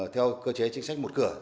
theo cơ chế chính sách một cửa